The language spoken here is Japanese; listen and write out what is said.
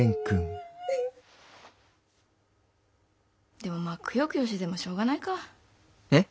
でもまあくよくよしててもしょうがないか。え？